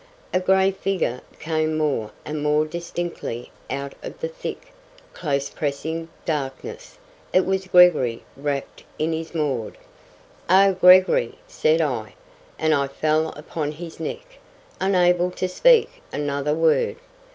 A gray figure came more and more distinctly out of the thick, close pressing darkness. It was Gregory wrapped in his maud. "Oh, Gregory!" said I, and I fell upon his neck, unable to speak another word.